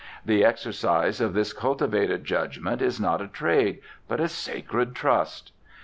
The exercise of his cultivated judgment is not a trade, but a sacred trust.